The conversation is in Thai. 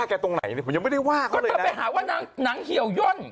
ก็ต้องไปหาว่านางเหี่ยวย่น